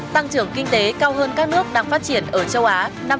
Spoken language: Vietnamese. tăng trưởng kinh tế cao hơn các nước đang phát triển ở châu á năm năm